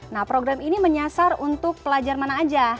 nah program ini menyasar untuk pelajar mana aja